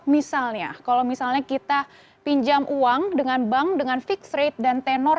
misalnya kalau misalnya kita pinjam uang dengan bank dengan fixed rate dan tenor